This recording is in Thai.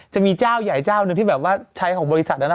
จะมีเจ้าใหญ่เจ้าหนึ่งที่ใช้ของบริษัทนั้น